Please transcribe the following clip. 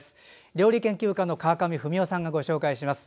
料理研究家の川上文代さんがご紹介します。